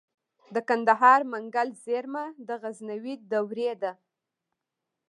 د کندهار منگل زیرمه د غزنوي دورې ده